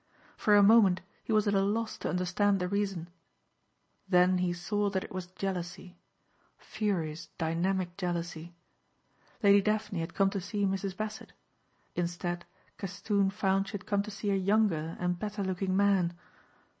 For a moment he was at a loss to understand the reason. Then he saw that it was jealousy, furious, dynamic jealousy. Lady Daphne had come to see Mrs. Bassett. Instead Castoon found she had come to see a younger and better looking man.